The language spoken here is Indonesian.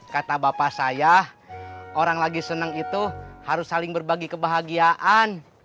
kata bapak saya orang lagi senang itu harus saling berbagi kebahagiaan